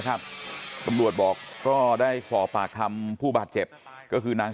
ตำรวจบอกก็ได้สอบปากคำผู้บาดเจ็บก็คือนาง